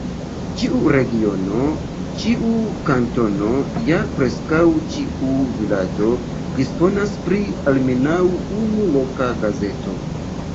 Ĉiu regiono, ĉiu kantono ja preskaŭ ĉiu vilaĝo disponas pri almenaŭ unu loka gazeto.